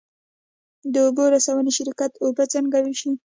د اوبو رسونې شرکت اوبه څنګه ویشي؟